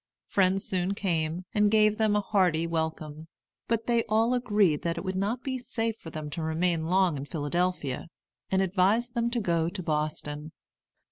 Friends soon came, and gave them a hearty welcome; but they all agreed that it would not be safe for them to remain long in Philadelphia, and advised them to go to Boston.